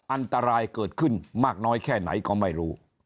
อันตรายเกิดขึ้นมากน้อยแค่ไหนก็ไม่รู้